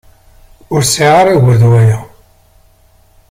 Ur sɛiɣ ara ugur d waya.